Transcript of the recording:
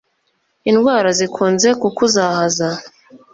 indwara zikunze kukuzahaza